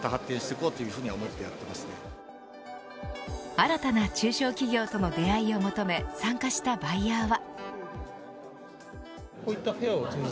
新たな中小企業との出会いを求め参加したバイヤーは。